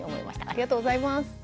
ありがとうございます。